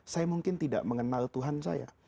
saya mungkin tidak mengenal tuhan saya